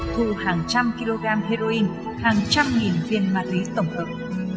thu hàng trăm kg heroin hàng trăm nghìn viên ma túy tổng hợp